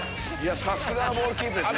さすがのボールキープですね。